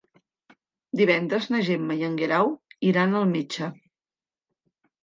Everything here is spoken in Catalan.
Divendres na Gemma i en Guerau iran al metge.